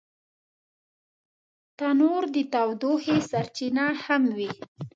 تنور د تودوخې سرچینه هم وي